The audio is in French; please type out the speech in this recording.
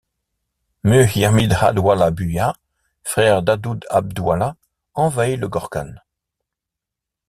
Mu'ayyid ad-Dawla Bûyah, frère d'`Adhud ad-Dawla envahit le Gorgân.